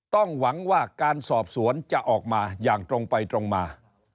หวังว่าการสอบสวนจะออกมาอย่างตรงไปตรงมา